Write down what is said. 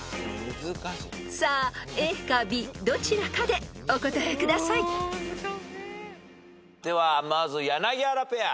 ［さあＡかＢどちらかでお答えください］ではまず柳原ペア。